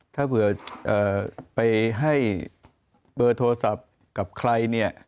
ถ้าเผื่อไปให้เบอร์โทรศัพท์กับใครเนี่ย